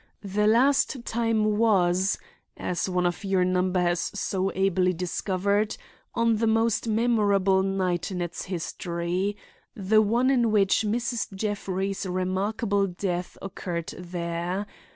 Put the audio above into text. The last time was, as one of your number has so ably discovered on the most memorable night in its history; the one in which Mrs. Jeffrey's remarkable death occurred there.